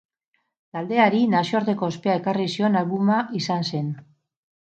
Taldeari nazioarteko ospea ekarri zion albuma izan zen.